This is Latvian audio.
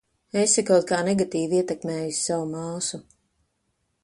Esi kaut kā negatīvi ietekmējusi savu māsu.